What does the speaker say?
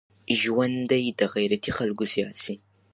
ژوند دي د غيرتي خلکو زيات سي.